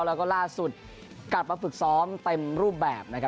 แล้วก็ล่าสุดกลับมาฝึกซ้อมเต็มรูปแบบนะครับ